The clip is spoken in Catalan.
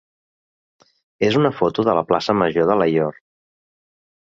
és una foto de la plaça major d'Alaior.